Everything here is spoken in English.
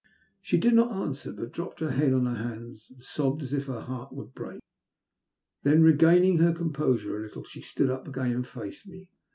She did not answer, but dropped her head on to her hands and sobbed as if her heart would break. Then, regaining her composure a little, she stood up again and faced me.